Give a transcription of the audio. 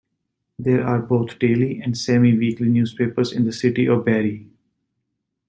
There are both daily and a semi-weekly newspapers in the City of Barrie.